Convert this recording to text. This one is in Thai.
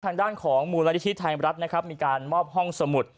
ทางด้านของมูลนิธิไทยรัฐนะครับมีการมอบห้องสมุด